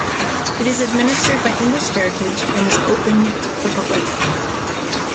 It is administered by English Heritage and is open the public.